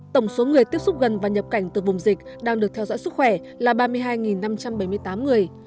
tổng số người tiếp xúc gần và nhập cảnh từ vùng dịch đang được theo dõi sức khỏe là ba mươi hai năm trăm bảy mươi tám người